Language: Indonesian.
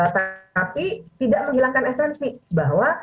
tapi tidak menghilangkan esensi bahwa